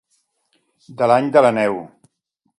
De l'any de la neu.